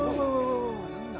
何だ？